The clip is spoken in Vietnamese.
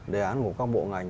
đề án của các bộ ngành